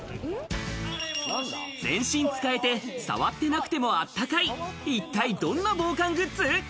全身使えて触ってなくてもあったかい、一体どんな防寒グッズ？